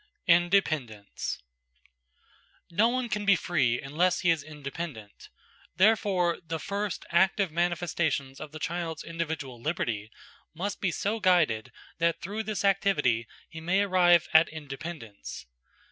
INDEPENDENCE No one can be free unless he is independent: therefore, the first, active manifestations of the child's individual liberty must be so guided that through this activity he may arrive at independence.